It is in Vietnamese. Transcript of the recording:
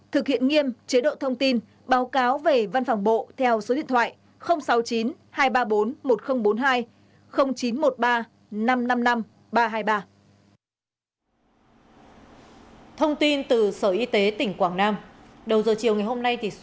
thực hiện nghiêm chế độ thông tin báo cáo về văn phòng bộ theo số điện thoại sáu mươi chín hai trăm ba mươi bốn một nghìn bốn mươi hai chín trăm một mươi ba năm trăm năm mươi năm ba trăm hai mươi ba